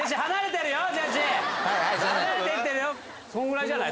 そのぐらいじゃない？